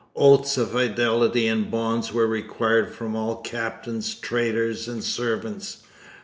'_ Oaths of fidelity and bonds were required from all captains, traders, and servants.